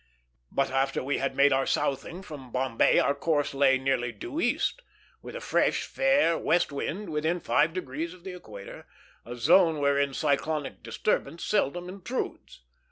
But after we had made our southing from Bombay our course lay nearly due east, with a fresh, fair, west wind, within five degrees of the equator, a zone wherein cyclonic disturbance seldom intrudes.